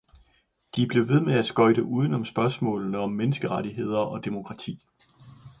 De bliver ved med at skøjte uden om spørgsmålene om menneskerettigheder og demokrati.